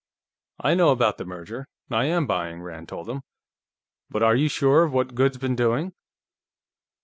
"I know about the merger. I am buying," Rand told him. "But are you sure of what Goode's been doing?"